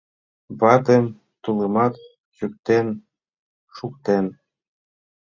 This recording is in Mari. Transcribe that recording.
Ватем тулымат чӱктен шуктен.